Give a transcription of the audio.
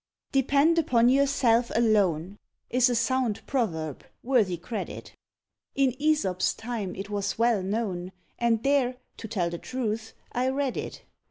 "Depend upon yourself alone," Is a sound proverb worthy credit. In Æsop's time it was well known, And there (to tell the truth) I read it.